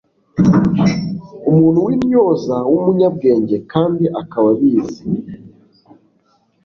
umuntu w intyoza w umunyabwenge kandi akaba abizi